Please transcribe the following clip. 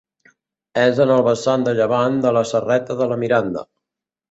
És en el vessant de llevant de la serreta de la Miranda.